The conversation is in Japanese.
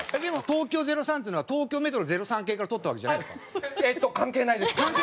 でも東京０３っていうのは東京メトロ０３系から取ったわけじゃないんですか？